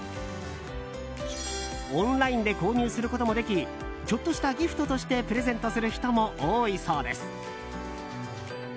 オンラインで購入することもできちょっとしたギフトとしてプレゼントする人も多いそうです。